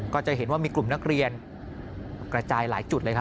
ก็จะเห็นว่ามีกลุ่มนักเรียนกระจายหลายจุดเลยครับ